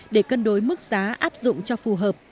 để cân đối mức giá áp dụng cho phù hợp